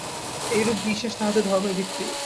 এইরূপ বিশ্বাস তাঁহাদের ধর্মের ভিত্তি।